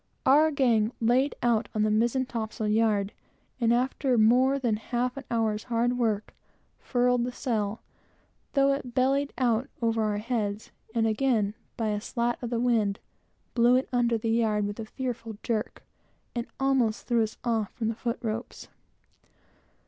Our gang laid out on the mizen topsail yard, and after more than half an hour's hard work, furled the sail, though it bellied out over our heads, and again, by a slant of the wind, blew in under the yard, with a fearful jerk, and almost threw us off from the foot ropes.